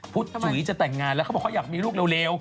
จุ๋ยจะแต่งงานแล้วเขาบอกเขาอยากมีลูกเร็ว